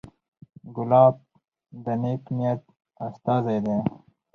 ګلاب د نیک نیت استازی دی.